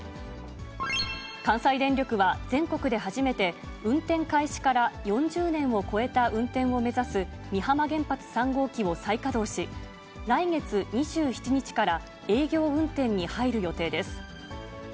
関西電力は全国で初めて、運転開始から４０年を超えた運転を目指す美浜原発３号機を再稼働し、来月２７日から営業運転に入る予定です。